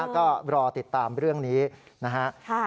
ก็รอติดตามเรื่องนี้นะฮะ